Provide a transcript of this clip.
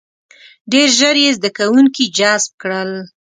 • ډېر ژر یې زده کوونکي جذب کړل.